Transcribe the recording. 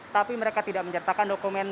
tapi mereka tidak menyertakan dokumen